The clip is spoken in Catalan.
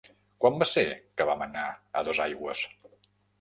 Quan va ser que vam anar a Dosaigües?